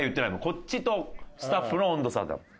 こっちとスタッフの温度差だもん。